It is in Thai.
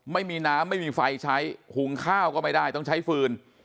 ไม่มีน้ำไม่มีไฟใช้หุงข้าวก็ไม่ได้ต้องใช้ฟืน